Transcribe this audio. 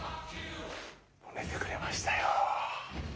寝てくれましたよ。